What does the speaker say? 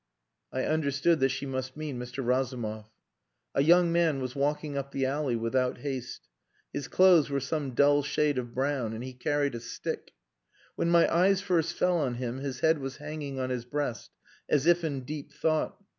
I understood that she must mean Mr. Razumov. A young man was walking up the alley, without haste. His clothes were some dull shade of brown, and he carried a stick. When my eyes first fell on him, his head was hanging on his breast as if in deep thought.